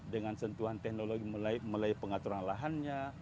dengan sentuhan teknologi mulai pengaturan lahannya